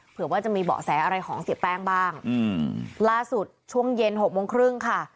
เผื่อว่าจะมีเบาะแสอะไรของเสียแป้งบ้างอืมล่าสุดช่วงเย็นหกโมงครึ่งค่ะ